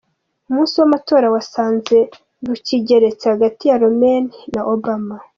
Umunsi w’amatora wasanze rukigeretse hagati ya Romeni na Obama